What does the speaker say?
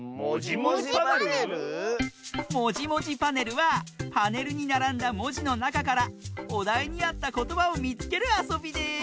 「もじもじパネル」はパネルにならんだもじのなかからおだいにあったことばをみつけるあそびです！